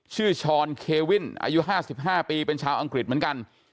ช้อนเควินอายุ๕๕ปีเป็นชาวอังกฤษเหมือนกัน